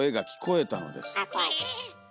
え。